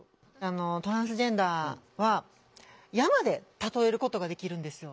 トランスジェンダーは山で例えることができるんですよ。